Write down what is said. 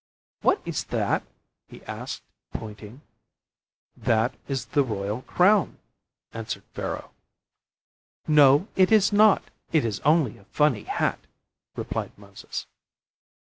"What is that?" he asked, pointing. "That is the royal crown," answered Pharaoh. "No it is not; it is only a funny hat," replied Moses.